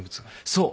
そう。